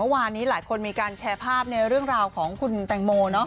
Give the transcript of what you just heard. เมื่อวานนี้หลายคนมีการแชร์ภาพในเรื่องราวของคุณแตงโม